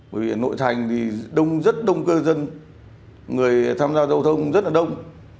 bởi vì ở nội thành thì rất đông cư dân người tham gia giao thông rất là đông